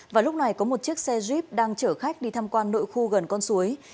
và lúc này có một chiếc xe jeep đang chở khách đi tham quan nội khu gần con suối